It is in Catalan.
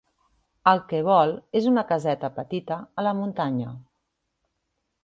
El que vol és una caseta petita a la muntanya.